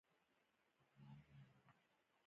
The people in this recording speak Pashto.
تل لانجې جوړوي.